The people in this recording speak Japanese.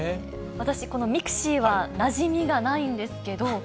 私、このミクシィはなじみがないんですけど。